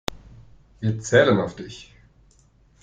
Wir zählen auf dich.